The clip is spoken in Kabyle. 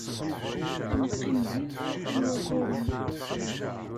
Ad neqqim din tlata n wayyuren.